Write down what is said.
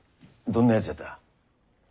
どんな奴やった？